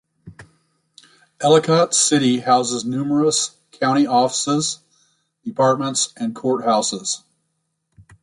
Ellicott City houses numerous county offices, departments, and courthouses.